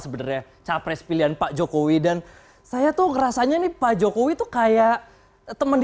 sebenarnya capres pilihan pak jokowi dan saya tuh ngerasanya nih pak jokowi tuh kayak temen